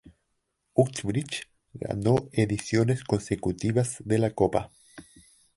Uxbridge ganó ediciones consecutivas de la copa.